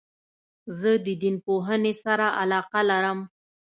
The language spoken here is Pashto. زه د دین پوهني سره علاقه لرم.